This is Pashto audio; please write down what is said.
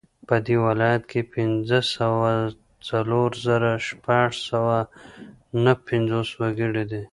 په دې ولایت کې پنځه سوه څلور زره شپږ سوه نهه پنځوس وګړي دي